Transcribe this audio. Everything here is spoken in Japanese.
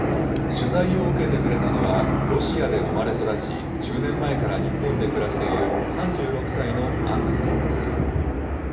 取材を受けてくれたのは、ロシアで生まれ育ち、１０年前から日本で暮らしている、３６歳のアンナさんです。